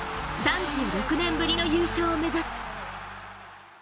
３６年ぶりの優勝を目指す。